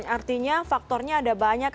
artinya faktornya ada banyak